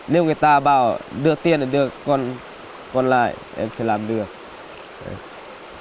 nếu người ta bảo đưa tiền thì đưa con lại em sẽ làm được